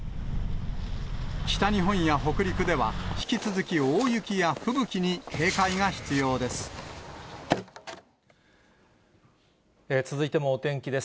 北日本や北陸では、引き続き大雪や吹雪に警戒が必要です。